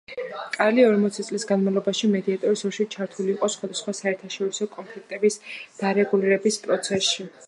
კარლი ორმოცი წლის განმავლობაში მედიატორის როლში ჩართული იყო სხვადასხვა საერთაშორისო კონფლიქტების დარეგულირების პროცესში.